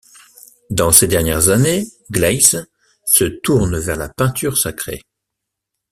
Dans ses dernières années, Gleizes se tourne vers la peinture sacrée.